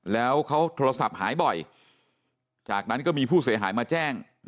แล้วเขาโทรศัพท์หายบ่อยจากนั้นก็มีผู้เสียหายมาแจ้ง